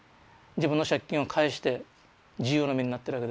自分の借金を返して自由の身になってるわけですよ。